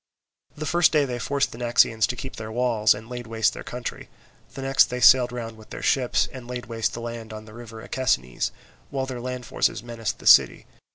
The first day they forced the Naxians to keep their walls, and laid waste their country; the next they sailed round with their ships, and laid waste their land on the river Akesines, while their land forces menaced the city.